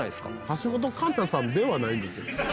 「橋本環奈さんではないんですけど」